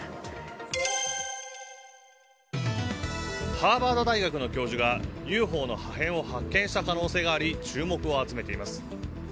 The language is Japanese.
ハーバード大学の教授がＵＦＯの破片を発見した可能性があり注目を集めています。